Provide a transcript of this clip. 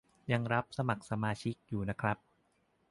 ยังรับสมัครสมาชิกอยู่นะครับ